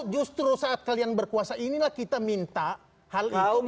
justru saat kalian berkuasa inilah kita minta hal itu